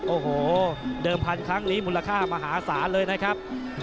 โอ้โหเดิมพันธุ์ครั้งนี้มูลค่ามหาศาลเลยนะครับ